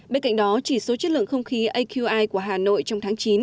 bên cạnh đó chỉ số chất lượng không khí aqi của hà nội trong tháng chín